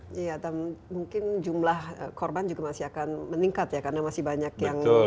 mungkin jumlah korban juga masih akan meningkat ya karena masih banyak yang hilang